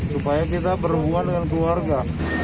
supaya kita berhubungan dengan keluarga